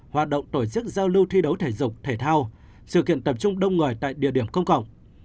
hoạt động tổ chức giao lưu thi đấu thể dục thể thao sự kiện tập trung đông người tại địa điểm công cộng